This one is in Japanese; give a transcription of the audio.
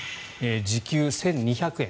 時給１２００円。